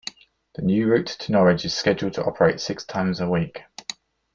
The new route to Norwich is scheduled to operate six times a week.